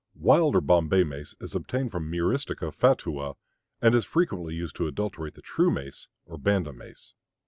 Wild or Bombay mace is obtained from Myristica fatua and is frequently used to adulterate the true mace or Banda mace.